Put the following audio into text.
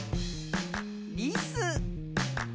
リス。